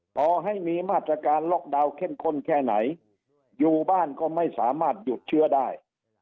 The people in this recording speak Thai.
ต่อให้มีมาตรการล็อกดาวน์เข้มข้นแค่ไหนอยู่บ้านก็ไม่สามารถหยุดเชื้อได้